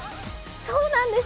そうなんです。